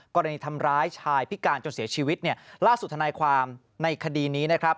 กรณีทำร้ายชายพิการจนเสียชีวิตเนี่ยล่าสุดธนายความในคดีนี้นะครับ